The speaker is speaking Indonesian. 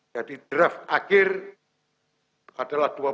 jadi draft akhir adalah dua puluh empat november dua ribu dua puluh dua